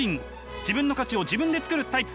自分の価値を自分で作るタイプ。